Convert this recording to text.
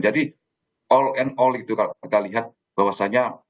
jadi all and all itu kalau kita lihat bahwasannya